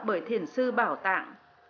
bởi thiền sư bảo tạng